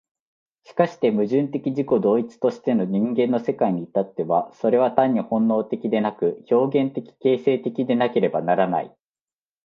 しかして矛盾的自己同一としての人間の世界に至っては、それは単に本能的でなく、表現的形成的でなければならない。